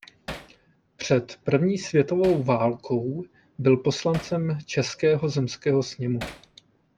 Před první světovou válkou byl poslancem Českého zemského sněmu.